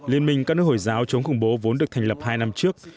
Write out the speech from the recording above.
liên minh các nước hồi giáo chống khủng bố vốn được thành lập hai năm trước